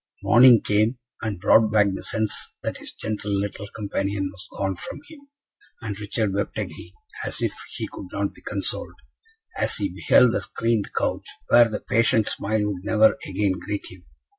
Morning came, and brought back the sense that his gentle little companion was gone from him; and Richard wept again, as if he could not be consoled, as he beheld the screened couch where the patient smile would never again greet him.